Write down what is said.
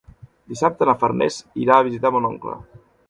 Dissabte na Farners irà a visitar mon oncle.